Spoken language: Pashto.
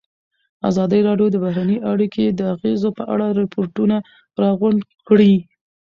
ازادي راډیو د بهرنۍ اړیکې د اغېزو په اړه ریپوټونه راغونډ کړي.